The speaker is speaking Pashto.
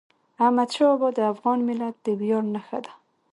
احمدشاه بابا د افغان ملت د ویاړ نښه ده.